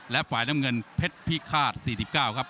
และฝ่ายน้ำเงินเพชรพิฆาต๔๙ครับ